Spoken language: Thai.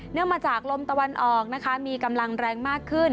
มาจากลมตะวันออกนะคะมีกำลังแรงมากขึ้น